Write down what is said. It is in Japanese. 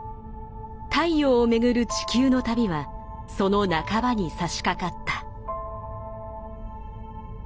太陽を巡る地球の旅はその半ばにさしかかった。